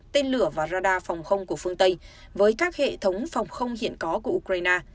tên lửa và radar phòng không của phương tây với các hệ thống phòng không hiện có của ukraine